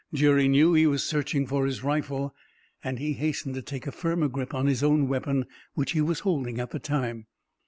Jerry knew he was searching for his rifle, and he hastened to take a firmer grip on his own weapon, which he was holding at the time.